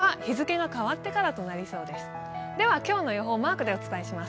北日本は日付が変わってからとなりそうです。